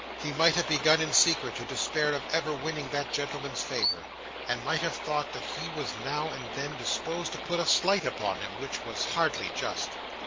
He might have begun in secret to despair of ever winning that gentleman's favour, and might have thought that he was now and then disposed to put a slight upon him, which was hardly just.